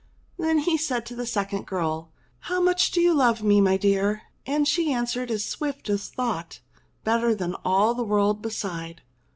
Then he said to the second girl, " How much do you love me, my dear.?" And she answered as swift as thought, "Better than all the world beside."